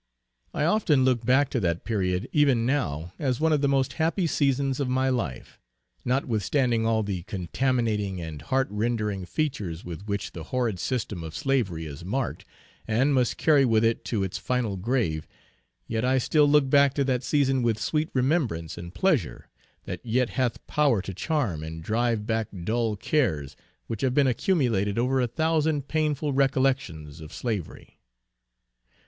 I often look back to that period even now as one of the most happy seasons of my life; notwithstanding all the contaminating and heart rendering features with which the horrid system of slavery is marked, and must carry with it to its final grave, yet I still look back to that season with sweet remembrance and pleasure, that yet hath power to charm and drive back dull cares which have been accumulated by a thousand painful recollections of slavery.